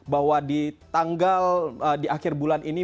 bahwa di tanggal di akhir bulan ini